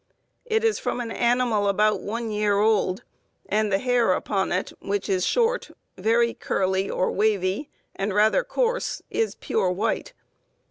It is from an animal about one year old, and the hair upon it, which is short, very curly or wavy, and rather coarse, is pure white.